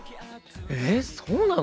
えっそうなの？